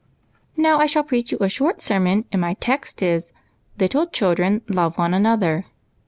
"Now I shall preach you a short sermon, and my text is, ' Little children, love one another.'